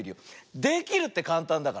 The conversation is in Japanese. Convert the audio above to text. できるってかんたんだから。ね。